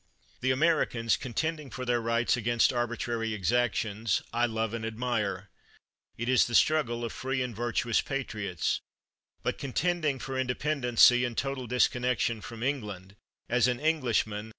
The Americans, contending for their rights against arbitrary ex actions, I love and admire. It is the struggle of free and virtuous patriots. But, contending for independency and total disconnection from Eng land, as an Englishman.